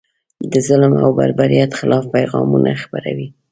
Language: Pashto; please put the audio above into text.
د ظلم او بربریت خلاف پیغامونه خپروي.